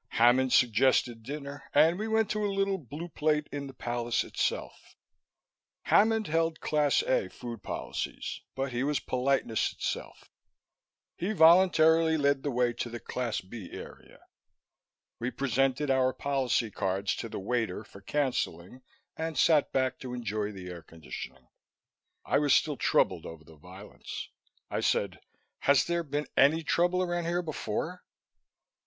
Hammond suggested dinner, and we went to a little Blue Plate in the palace itself. Hammond held Class A food policies, but he was politeness itself; he voluntarily led the way to the Class B area. We presented our policy cards to the waiter for canceling, and sat back to enjoy the air conditioning. I was still troubled over the violence. I said, "Has there been any trouble around here before?"